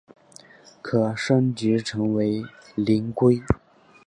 可升级成为灵龟。